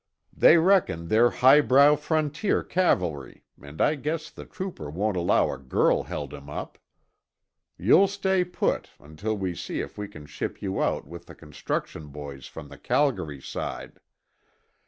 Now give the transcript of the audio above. They reckon they're highbrow frontier cavalry and I guess the trooper won't allow a girl held him up. You'll stay put, until we see if we can ship you out with the construction boys to the Calgary side.